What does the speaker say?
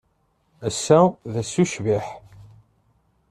Ass-a d ass ucbiḥ.